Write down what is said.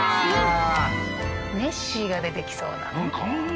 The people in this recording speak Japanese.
ネッシーが出てきそうな。